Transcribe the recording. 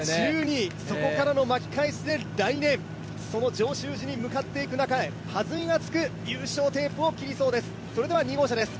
１２位、そこからの巻き返しで来年その上州路に向かっていく中ではずみがつく優勝テープを切りそうです。